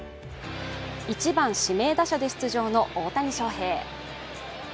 １番・指名打者で出場の大谷翔平。